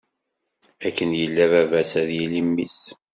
Akken yella baba-s, ad yili mmi-s.